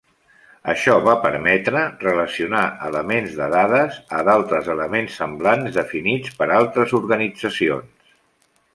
Això va permetre relacionar elements de dades a d'altres elements semblants definits per altres organitzacions.